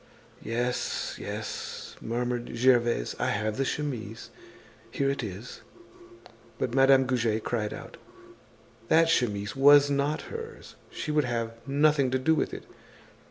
"Yes, yes," murmured Gervaise, "I have the chemise. Here it is." But Madame Goujet cried out. That chemise was not hers, she would have nothing to do with it.